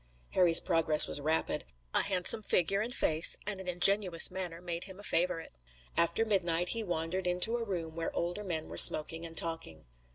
Harry's progress was rapid. A handsome figure and face, and an ingenuous manner made him a favorite. After midnight he wandered into a room where older men were smoking and talking.